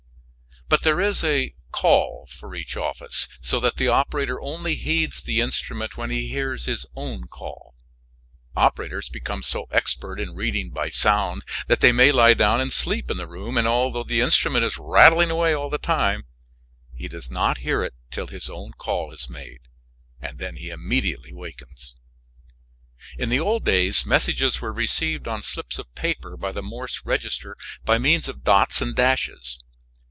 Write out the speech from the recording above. But there is a "call" for each office, so that the operator only heeds the instrument when he hears his own call. Operators become so expert in reading by sound that they may lie down and sleep in the room, and, although the instrument is rattling away all the time, he does not hear it till his own call is made, when he immediately awakes. In the old days messages were received on slips of paper by the Morse register by means of dots and dashes.